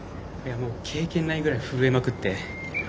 経験ないぐらい震えまくって。